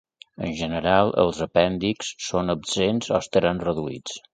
En general, els apèndixs són absents o estan reduïts.